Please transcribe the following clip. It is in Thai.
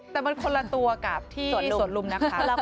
แต่มันคนละตัวกับที่สวนลุมนะคะ